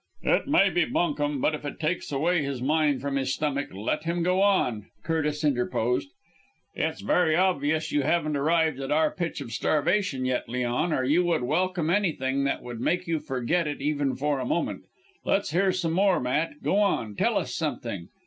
"It may be bunkum, but if it takes away his mind from his stomach let him go on," Curtis interposed. "It's very obvious you haven't arrived at our pitch of starvation yet, Leon, or you would welcome anything that would make you forget it even for a moment. Let's hear some more, Matt! Go on, tell us something.